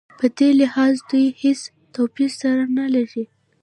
په دې لحاظ دوی هېڅ توپیر سره نه لري.